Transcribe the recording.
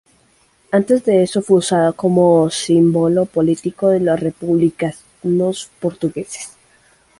Antes de eso, fue usado como símbolo político de los republicanos portugueses.